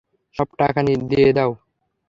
সব টাকা দিয়ে দাও!